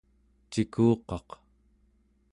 cikuqaq